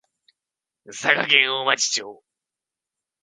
佐賀県大町町